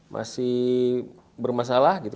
masih bermasalah gitu